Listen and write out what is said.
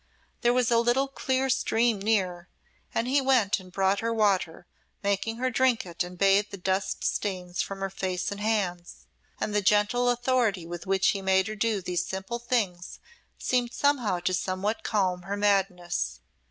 There was a little clear stream near, and he went and brought her water, making her drink it and bathe the dust stains from her face and hands, and the gentle authority with which he made her do these simple things seemed somehow to somewhat calm her madness.